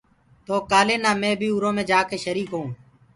تو ڪآلي نآ مي بي اُرا مي جآڪي شريٚڪ هويوٚنٚ۔